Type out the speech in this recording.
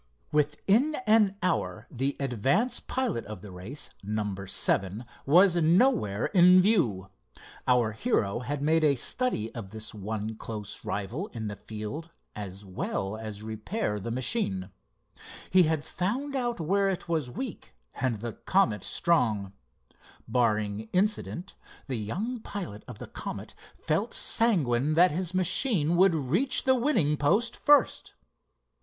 Within an hour the advance pilot of the race, number seven, was nowhere in view. Our hero had made a study of this one close rival in the field as well as repair the machine. He had found out where it was weak and the Comet strong. Barring accident, the young pilot of the Comet felt sanguine that his machine would reach the winning post first.